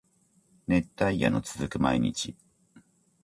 熱帯夜の続く毎日